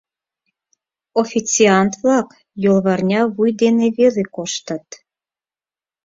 Официант-влак йолварня вуй дене веле коштыт.